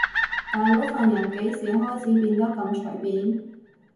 大佬份人幾時開始變得咁隨便